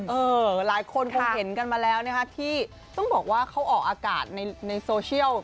หลายคนคงเห็นกันมาแล้วนะคะที่ต้องบอกว่าเขาออกอากาศในโซเชียล